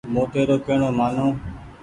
موٽي رو ڪي ڻو مآنو۔